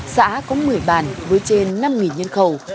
địa bàn với trên năm nhân khẩu